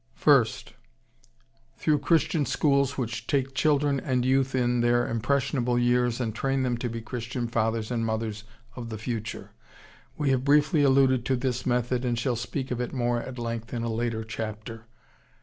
First: Through Christian schools which take children and youth in their impressionable years and train them to be the Christian fathers and mothers of the future. We have briefly alluded to this method and shall speak of it more at length in a later chapter.